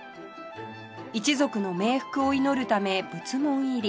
一族の冥福を祈るため仏門入り